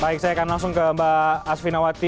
baik saya akan langsung ke mbak asvinawati